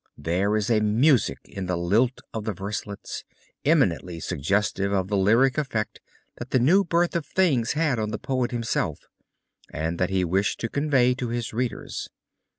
There is a music in the lilt of the verselets, eminently suggestive of the lyric effect that the new birth of things had on the poet himself and that he wished to convey to his readers.